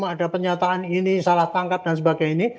ada pernyataan ini salah tangkap dan sebagainya